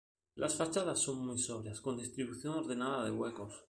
Las fachadas son muy sobrias con distribución ordenada de huecos.